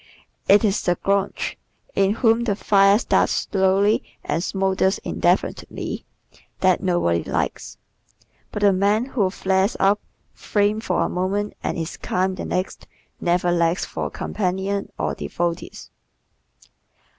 It is the grouch in whom the fire starts slowly and smoulders indefinitely that nobody likes. But the man who flares up, flames for a moment and is calm the next never lacks for companions or devotees.